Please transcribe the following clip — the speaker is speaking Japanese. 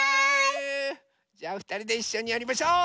じゃあふたりでいっしょにやりましょう！